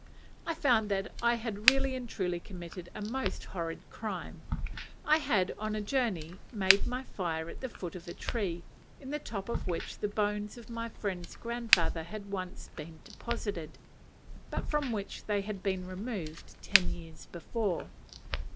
I found that I had really and truly committed a most horrid crime. I had on a journey made my fire at the foot of a tree, in the top of which the bones of my friend's grandfather had once been deposited, but from which they had been removed ten years before.